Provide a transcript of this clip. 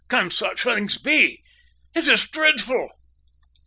Can such things be? It is dreadful!"